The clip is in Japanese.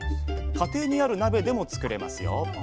家庭にある鍋でも作れますよ。